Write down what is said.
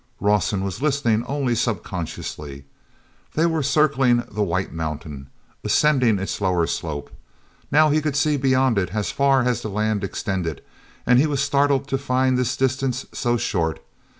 Rawson was listening only subconsciously. They were circling the white mountain, ascending its lower slope. Now he could see beyond it as far as the land extended, and he was startled to find this distance so short.